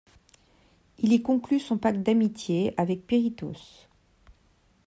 Il y conclut son pacte d'amitié avec Pirithoos.